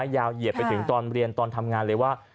เหยียดไปถึงตอนเรียนตอนทำงานเลยว่า